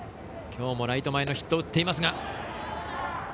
きょうもライト前のヒットを打っています。